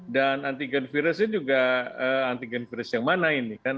dan antigen virus ini juga antigen virus yang mana ini